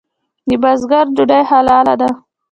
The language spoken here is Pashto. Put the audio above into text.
د بزګر ډوډۍ حلاله ده؟